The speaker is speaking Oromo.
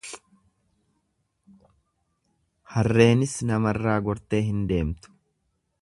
Harreenis namarraa gortee hin deemtu.